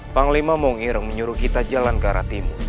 panglima mongir menyuruh kita jalan ke arah timur